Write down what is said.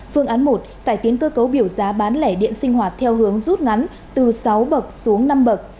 phương án một cải tiến cơ cấu biểu giá bán lẻ điện sinh hoạt theo hướng rút ngắn từ sáu bậc xuống năm bậc